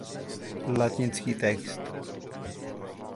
Latinský text.